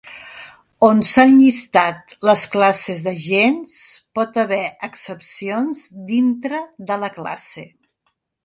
On s'han llistat les classes d'agents, pot haver excepcions dintre de la classe.